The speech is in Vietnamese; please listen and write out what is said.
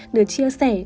được chia sẻ